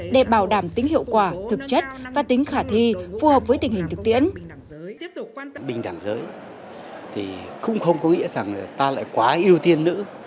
để bảo đảm tính hiệu quả thực chất và tính khả thi phù hợp với tình hình thực tiễn